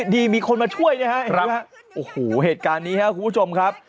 ดีมีคนมาช่วยนะครับโอ้โหเหตุการณ์นี้ครับคุณผู้ชมครับ